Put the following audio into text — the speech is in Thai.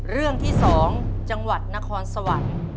เรื่องที่๒จังหวัดนครสวรรค์